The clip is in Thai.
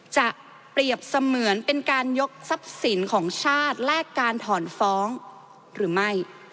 จะเปรียบเสมือนเป็นการยกทรัพย์สินของชาติแลกการถอนฟ้องหรือไม่